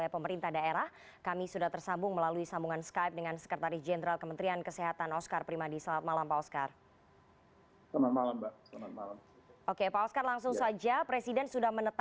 pembatasan sosial berskala besar